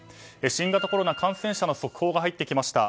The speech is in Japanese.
新型コロナ感染者の速報が入ってきました。